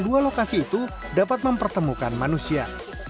dua lokasi itu dapat mempertemukan manusia